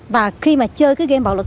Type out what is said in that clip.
và khi mà chơi cái game bạo lực này